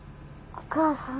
お母さん。